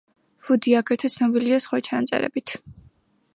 ვუდი აგრეთვე ცნობილია სხვა ჩანაწერებით.